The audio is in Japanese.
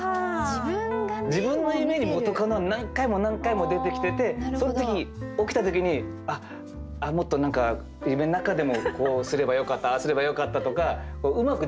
自分の夢に元カノが何回も何回も出てきててその時起きた時にあっもっと何か夢の中でもこうすればよかったああすればよかったとかうまくできなかったんですよね。